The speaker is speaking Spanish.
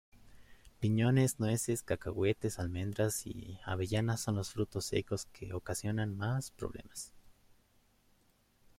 Piñones, nueces, cacahuetes, almendras y avellanas son los frutos secos que ocasionan más problemas.